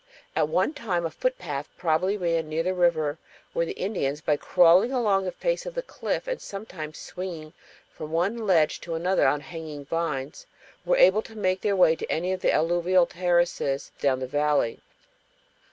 At one time a footpath probably ran near the river, where the Indians, by crawling along the face of the cliff and sometimes swinging from one ledge to another on hanging vines, were able to make their way to any of the alluvial terraces down the valley.